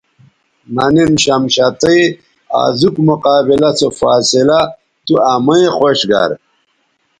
مہ نِن شمشتئ آزوک مقابلہ سو فاصلہ تو امئ خوش گر